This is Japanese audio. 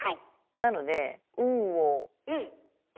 なので天。